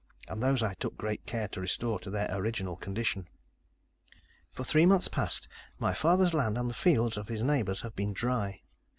And those I took great care to restore to their original condition. "For three months past, my father's land and the fields of his neighbors have been dry.